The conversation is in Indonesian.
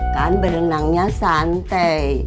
kan berenangnya santai